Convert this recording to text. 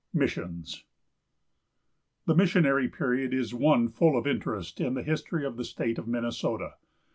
MISSIONS. The missionary period is one full of interest in the history of the State of Minnesota.